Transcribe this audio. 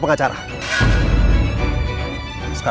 berusaha pengg discovery